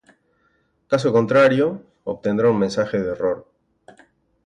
Caso contrario, obtendrá un mensaje de error